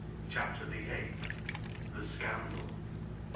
CHAPTER THE EIGHTH. THE SCANDAL.